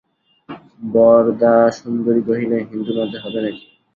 বরদাসুন্দরী কহিলেন, হিন্দুমতে হবে নাকি?